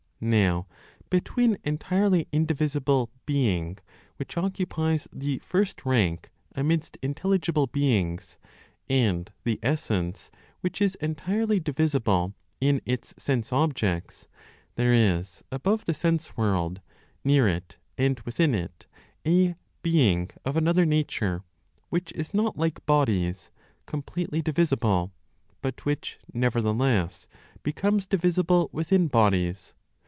Now between entirely indivisible ("Being") which occupies the first rank amidst intelligible beings, and the (essence) which is entirely divisible in its sense objects, there is, above the sense world, near it, and within it, a "being" of another nature, which is not, like bodies, completely divisible, but which, nevertheless, becomes divisible within bodies.